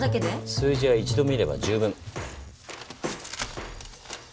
数字は１度見れば十分。